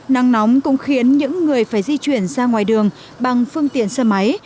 nắng nóng cũng khiến những người phải di chuyển ra ngoài đường bằng phương tiện xe máy